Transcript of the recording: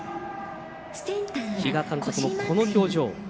比嘉監督もこの表情。